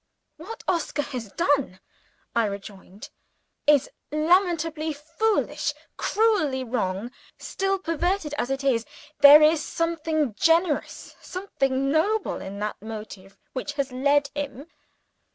"What Oscar has done," I rejoined, "is lamentably foolish, cruelly wrong. Still, perverted as it is, there is something generous, something noble, in the motive which has led _him.